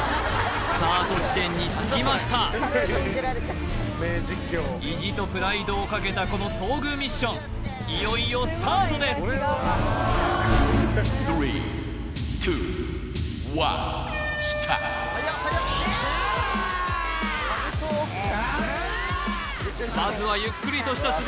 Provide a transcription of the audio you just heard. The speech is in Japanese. スタート地点に着きました意地とプライドをかけたこの遭遇ミッションいよいよスタートですまずはゆっくりとした